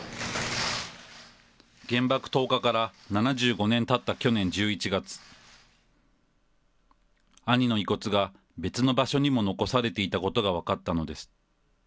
原爆投下から７５年たった去年１１月、兄の遺骨が別の場所にも残されていたことが分かったのです。